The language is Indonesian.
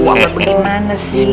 apa bagaimana sih